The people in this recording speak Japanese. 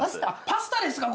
パスタですか？